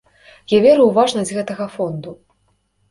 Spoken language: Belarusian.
Я веру ў важнасць гэтага фонду.